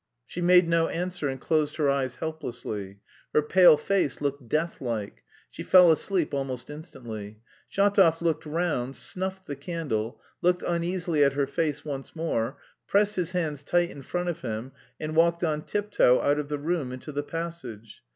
She made no answer and closed her eyes helplessly. Her pale face looked death like. She fell asleep almost instantly. Shatov looked round, snuffed the candle, looked uneasily at her face once more, pressed his hands tight in front of him and walked on tiptoe out of the room into the passage.